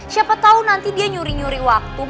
siapa tau nanti dia nyuri nyuri waktu mau ke puncak